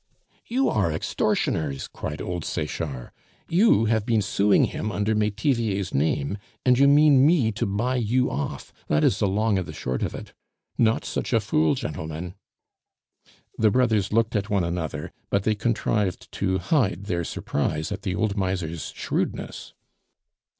"You are extortioners!" cried old Sechard. "You have been suing him under Metivier's name, and you mean me to buy you off; that is the long and the short of it. Not such a fool, gentlemen " The brothers looked at one another, but they contrived to hide their surprise at the old miser's shrewdness.